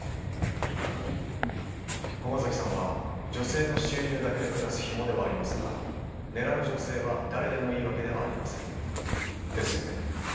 駒崎さんは女性の収入だけで暮らすヒモではありますが狙う女性は誰でもいいわけではありません。ですよね？